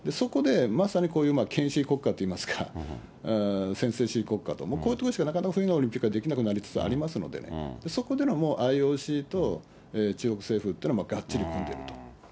そこで、まさにこういう国家といいますか、専制主義国家というか、こういうところしかなかなか冬のオリンピックはできなくなりつつありますのでね、そこでのＩＯＣと中国政府というのは、がっちり。